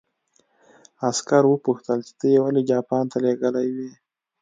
عسکر وپوښتل چې ته یې ولې جاپان ته لېږلی وې